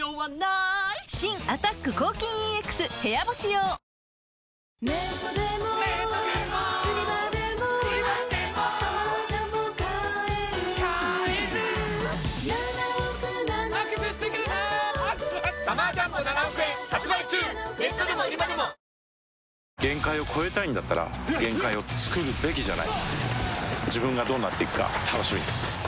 新「アタック抗菌ＥＸ部屋干し用」限界を越えたいんだったら限界をつくるべきじゃない自分がどうなっていくか楽しみです